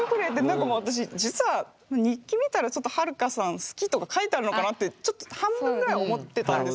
なんか私実は日記見たら「はるかさん好き」とか書いてあるのかなってちょっと半分ぐらい思ってたんですよ。